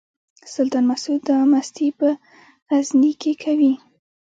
سلطان مسعود دا مستي په غزني کې کوي.